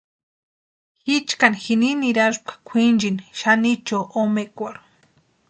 Jichkani jini niraspka kwʼinchini Xanicho omekwarhu.